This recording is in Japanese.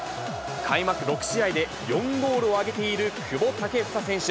開幕６試合で４ゴールを挙げている久保建英選手。